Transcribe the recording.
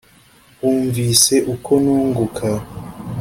Wumvise uko nunguka,